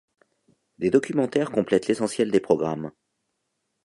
Des documentaires complètent l'essentiel des programmes.